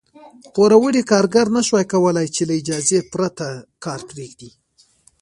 پوروړي کارګر نه شوای کولای چې له اجازې پرته کار پرېږدي.